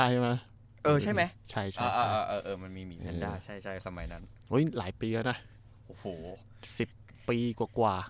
หลายปีแหละเลยนะ๑๐ปีกว่า